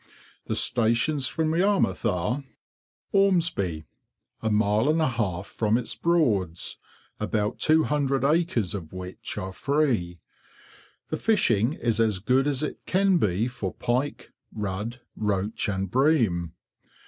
The stations from Yarmouth are— ORMESBY. A mile and a half from its Broads, about 200 acres of which are free. The fishing is as good as it can be for pike, rudd, roach, and bream.